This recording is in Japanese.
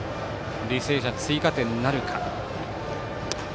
履正社、追加点なるか。